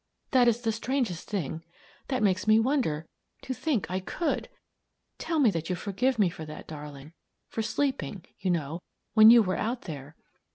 That is the strangest thing! that makes me wonder to think I could! Tell me that you forgive me for that, darling for sleeping, you know, when you were out there.